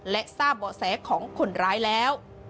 และทราบเบาะแสของคนร้ายแล้ว